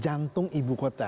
jantung ibu kota